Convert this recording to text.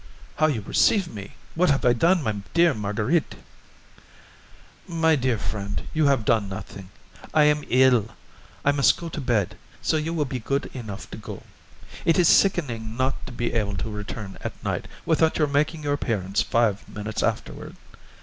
"How you receive me! What have I done, my dear Marguerite?" "My dear friend, you have done nothing. I am ill; I must go to bed, so you will be good enough to go. It is sickening not to be able to return at night without your making your appearance five minutes afterward.